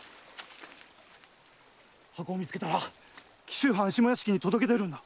箱を見つけたら紀州藩下屋敷に届け出るのだ。